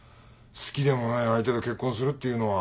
好きでもない相手と結婚するっていうのは。